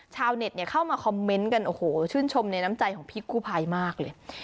ชาวเน็ตเข้ามาคอมเมนต์กันโอ้โหชื่นชมในน้ำใจของพี่กู้ภัยมากเลย